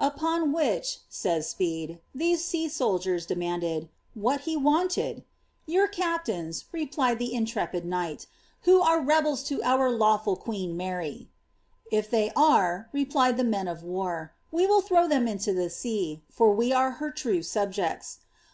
^ Upon which,^ says Speed, ^ these sea soldiers demanded, ^ what he wanted ?'^ Tour captains,' replied the intrepid knight,^ who are rebels to their lawful queen, Manr.* ^ If they are,' replied the men of war, ^ we will throw them into the so, for we are her true subjects.'